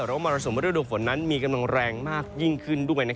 มรสุมฤดูฝนนั้นมีกำลังแรงมากยิ่งขึ้นด้วย